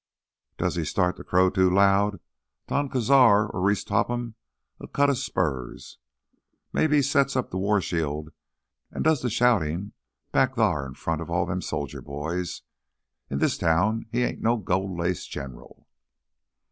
Does he start t' crow too loud, Don Cazar or Reese Topham'll cut his spurs. Maybe he sets up th' war shield an' does th' shoutin' back thar in front o' all them soldier boys. In this town he ain't no gold lace general!"